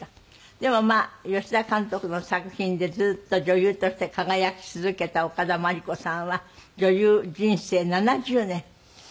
でもまあ吉田監督の作品でずっと女優として輝き続けた岡田茉莉子さんは女優人生７０年。